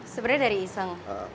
sebenarnya dari iseng